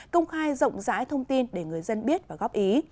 công khai rộng rãi thông tin để người dân biết và góp ý